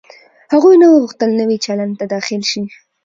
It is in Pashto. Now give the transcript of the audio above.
هغوی نه غوښتل نوي چلند ته داخل شي.